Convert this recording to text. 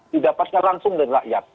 didapatkan langsung dari rakyat